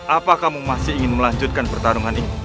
apa kamu masih ingin melanjutkan pertarungan ini